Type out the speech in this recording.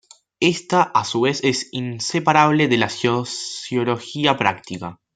Ésta a su vez es inseparable de la sociología práctica.